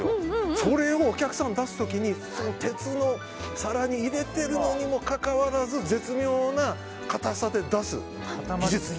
それを、お客さんに出す時に鉄の皿に入れてるのにもかかわらず絶妙な硬さで出す技術。